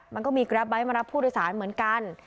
มันก็มีกราฟไบท์มารับผู้โดยสารเหมือนกัน